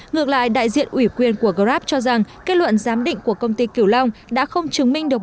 ngược lại đại diện ủy quyền của grab cho rằng kết luận giám định của công ty kiểu long đã không chứng minh được